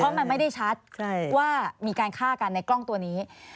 เพราะมันไม่ได้ชัดว่ามีการฆ่ากันในกล้องตัวนี้